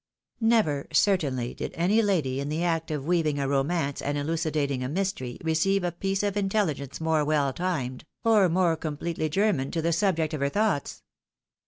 Never certainly did any lady in the act of weaving a romance and elucidating a mystery, receive a piece of intelligence more well timed, or more completely german to the subject of her thoughts.